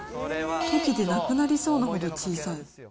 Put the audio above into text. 溶けてなくなりそうなほど小さい。